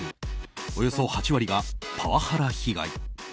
およそ８割がパワハラ被害。